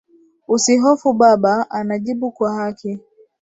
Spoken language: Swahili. Usihofu Baba anajibu kwa haki